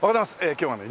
今日はね